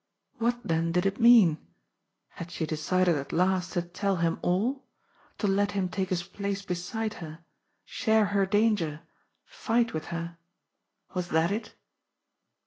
What, then, did it mean? Had she decided at last to tell him all, to let him take his place beside her, share her danger, fight with her! Was that it?